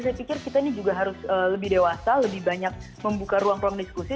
saya pikir kita ini juga harus lebih dewasa lebih banyak membuka ruang ruang diskusi